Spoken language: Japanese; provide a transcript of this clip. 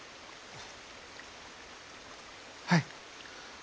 はい。